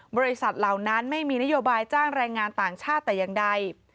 เหล่านั้นไม่มีนโยบายจ้างแรงงานต่างชาติแต่อย่างใด